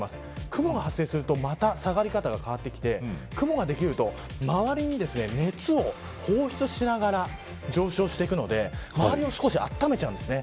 雲が発生するとまた下がり方が変わってきて雲ができると周りに熱を放出しながら上昇していくので周りを少しあたためちゃうんですね。